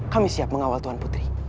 kami siap mengawal tuhan putri